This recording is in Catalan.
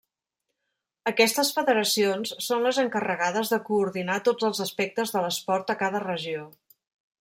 Aquestes federacions són les encarregades de coordinar tots els aspectes de l'esport a cada regió.